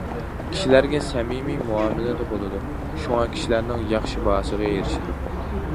كىشىلەرگە سەمىمىي مۇئامىلىدە بولىدۇ، شۇڭا كىشىلەرنىڭ ياخشى باھاسىغا ئېرىشىدۇ.